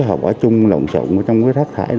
họ bỏ chung lộn trộn trong rác thải